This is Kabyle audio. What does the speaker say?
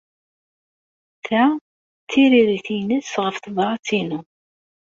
Ta d tiririt-nnes ɣef tebṛat-inu.